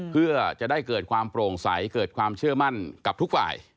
เพื่อจะได้เกิดความโปร่งใสเกิดความเชื่อมั่นกับทุกฝ่าย